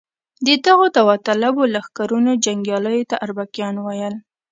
د دغو داوطلبو لښکرونو جنګیالیو ته اربکیان ویل.